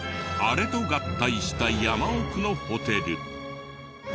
あれと合体した山奥のホテル。